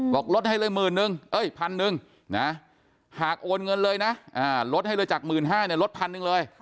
บอกลดให้เลย๑๐๐๐บาทหากโอนเงินเลยนะลดให้เลยจาก๑๕๐๐๐บาทลด๑๐๐๐บาทเลย